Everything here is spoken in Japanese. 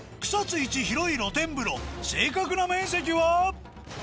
いち広い露天風呂正確な面積は？